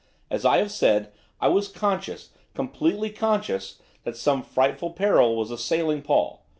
As I have said, I was conscious, completely conscious, that some frightful peril was assailing Paul.